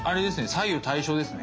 左右対称ですね。